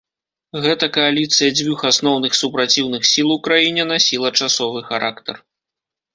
Гэта кааліцыя дзвюх асноўных супраціўных сіл у краіне насіла часовы характар.